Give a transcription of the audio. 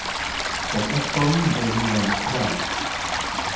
Le catton voleva entrar.